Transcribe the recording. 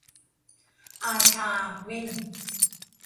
อาชา-วิน !